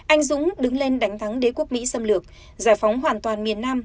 anh dũng đứng lên đánh thắng đế quốc mỹ xâm lược giải phóng hoàn toàn miền nam